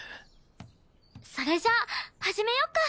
それじゃあ始めよっか。